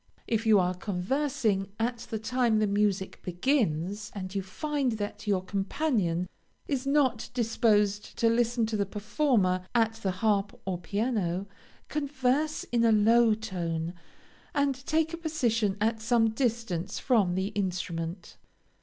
If you are conversing at the time the music begins, and you find that your companion is not disposed to listen to the performer at the harp or piano, converse in a low tone, and take a position at some distance from the instrument.